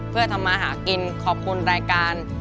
เพื่อทำมาหากินขอบคุณรายการ